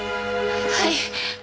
はい。